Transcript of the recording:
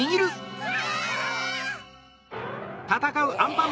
うわ！